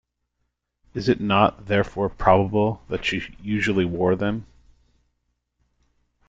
Is it not, therefore, probable that she usually wore them?